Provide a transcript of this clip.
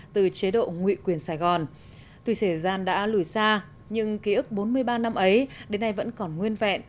từ chế độ ngụy quyền sài gòn tuy xể gian đã lùi xa nhưng ký ức bốn mươi ba năm ấy đến nay vẫn còn nguyên vẹn